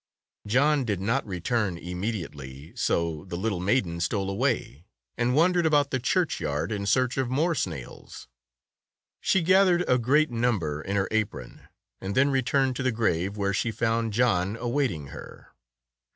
John did not return im mediately, so the little maiden stole away, and wandered about the churchyard, in search of more snails. She gathered a great number in her apron, and then returned to the grave, where she found John awaiting her.